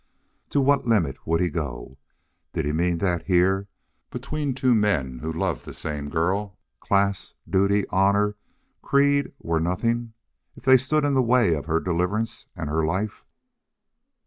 To what limit would he go? Did he mean that here, between two men who loved the same girl, class, duty, honor, creed were nothing if they stood in the way of her deliverance and her life?